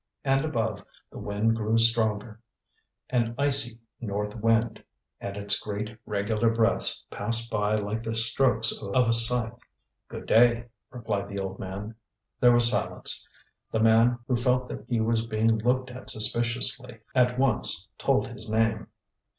And above, the wind grew stronger an icy north wind and its great, regular breaths passed by like the strokes of a scythe. "Good day," replied the old man. There was silence. The man, who felt that he was being looked at suspiciously, at once told his name.